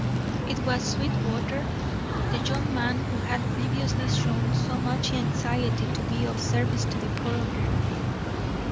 It was Sweetwater, the young man who had previously shown so much anxiety to be of service to the coroner.